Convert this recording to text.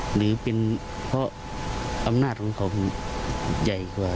หรือเป็นเพราะอำนาจของเขาใหญ่กว่า